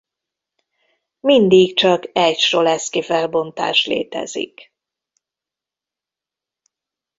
Mindig csak egy Cholesky-felbontás létezik.